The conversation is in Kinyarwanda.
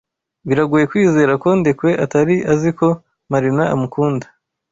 Biragoye kwizera ko Ndekwe atari azi ko Marina amukunda.